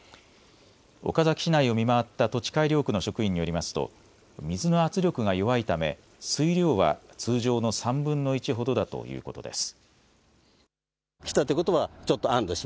岡崎市内を見回った土地改良区の職員によりますと水の圧力が弱いため水量は通常の３分の１ほどだということです。